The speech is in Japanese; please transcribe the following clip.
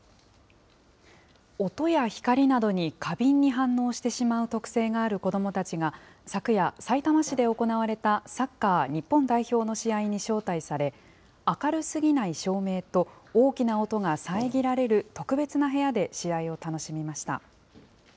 音や光などに過敏に反応してしまう特性がある子どもたちが、昨夜、さいたま市で行われたサッカー日本代表の試合に招待され、明るすぎない照明と、大きな音が遮られる特別な部屋で試合を楽しみました。